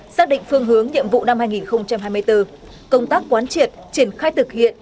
xác định phương hướng nhiệm vụ năm hai nghìn hai mươi bốn công tác quán triệt triển khai thực hiện